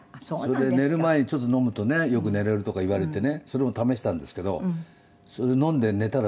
それで寝る前にちょっと飲むとねよく寝れるとか言われてねそれも試したんですけどそれで飲んで寝たらですね